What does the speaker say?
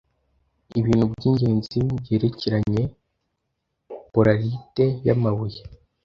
ibintu by'ingenzi byerekeranye polarite y'amabuye